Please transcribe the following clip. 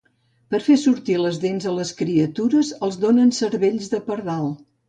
Per fer sortir les dents a les criatures, els donen cervells de pardal.